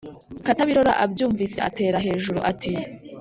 Katabirora abyumvise atera hejuru ati: